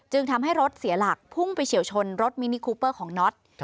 ทำให้รถเสียหลักพุ่งไปเฉียวชนรถมินิคูเปอร์ของน็อต